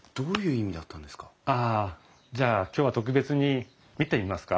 ああじゃあ今日は特別に見てみますか？